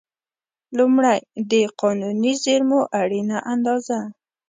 لومړی: د قانوني زېرمو اړینه اندازه.